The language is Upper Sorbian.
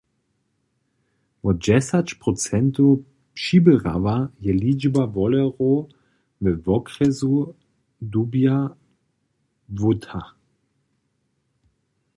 Wo dźesać procentow přiběrała je ličba wolerjow we wokrjesu Dubja-Błóta.